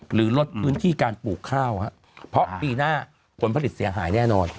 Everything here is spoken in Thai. หรือลดพื้นที่การปลูกข้าวครับเพราะปีหน้าผลผลิตเสียหายแน่นอน